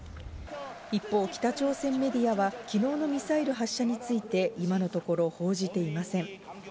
一方、北朝鮮メディアは、昨日のミサイル発射について今のところ報じていません。